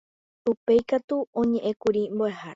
Upéikatu oñe'ẽkuri mbo'ehára.